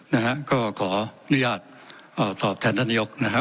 นะฮะก็ขออนุญาตเอ่อตอบแทนท่านนายกนะฮะ